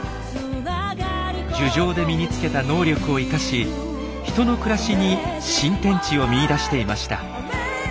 樹上で身につけた能力を生かし人の暮らしに新天地を見いだしていました。